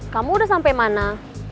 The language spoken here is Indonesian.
kamu udah sampai mana